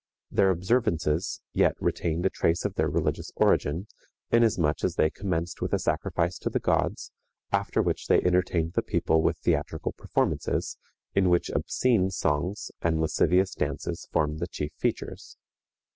Their observances yet retained a trace of their religious origin, inasmuch as they commenced with a sacrifice to the gods, after which they entertained the people with theatrical performances, in which obscene songs and lascivious dances formed the chief features.